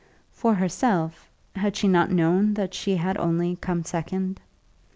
For herself, had she not known that she had only come second?